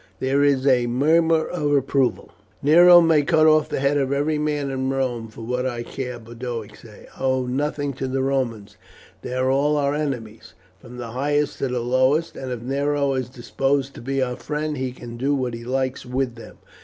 There was a murmur of approval. "Nero may cut off the head of every man in Rome for what I care," Boduoc said. "I owe nothing to the Romans. They are all our enemies, from the highest to the lowest; and if Nero is disposed to be our friend he can do what he likes with them.